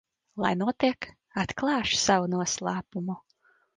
Lai notiek, atklāšu savu noslēpumu.